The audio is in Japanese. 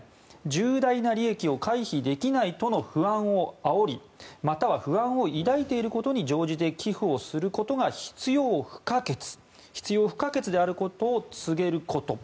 重大な利益を回避できないとの不安をあおりまたは不安を抱いていることに乗じて寄付をすることが必要不可欠であることを告げること。